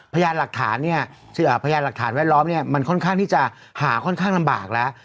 พยานหลักฐานเนี่ยพยานหลักฐานแวดล้อมเนี่ยมันค่อนข้างที่จะหาค่อนข้างลำบากแล้ว